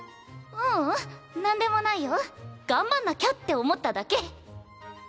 ううんなんでもないよ。頑張んなきゃって思っただけ。